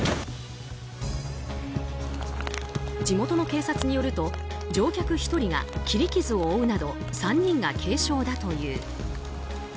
地元の警察によると乗客が１人が切り傷を負うなど３人が軽傷だという。